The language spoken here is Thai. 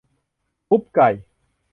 ซุปไก่